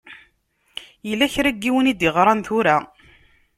Yella kra n yiwen i d-iɣṛan tura.